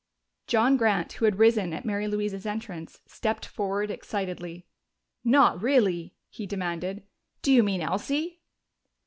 John Grant, who had risen at Mary Louise's entrance, stepped forward excitedly. "Not really?" he demanded. "Do you mean Elsie?"